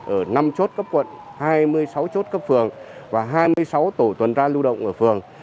ở năm chốt cấp quận hai mươi sáu chốt cấp phường và hai mươi sáu tổ tuần tra lưu động ở phường